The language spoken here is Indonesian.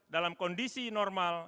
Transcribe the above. dalam kondisi normal